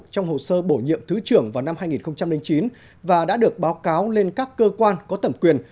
trong hồ sơ bổ nhiệm thứ trưởng vào năm hai nghìn chín và đã được báo cáo lên các cơ quan có thẩm quyền